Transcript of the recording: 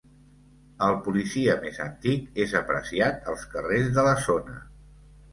El policia més antic és apreciat als carrers de la zona.